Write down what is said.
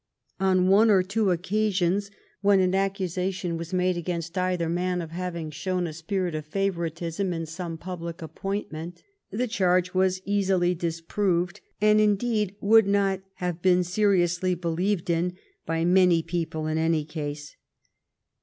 On one or two occasions when an accusation was made against either man of having shown a spirit of favoritism in some public appointment, the charge was easily disproved, and indeed would not have been seriously believed in by many people in any case.